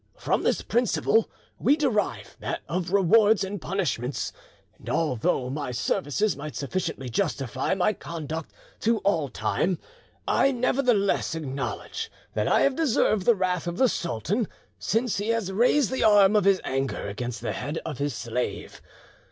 From this principle we derive that of rewards and punishments, and although my services might sufficiently justify my conduct to all time, I nevertheless acknowledge that I have deserved the wrath of the sultan, since he has raised the arm of his anger against the head of his slave.